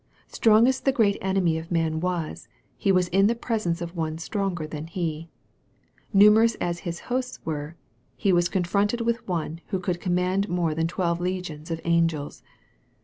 Strong as the great enemy of man was, he was in the presence of One stronger than he. Numerous as his hosts were, he was confronted with One who could command more than twelve legions of angels.